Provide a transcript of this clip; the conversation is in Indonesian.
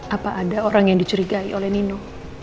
apa ada orang yang dicurigai oleh nino